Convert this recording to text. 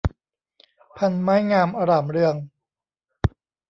พรรณไม้งามอร่ามเรือง